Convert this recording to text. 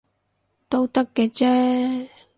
都得嘅啫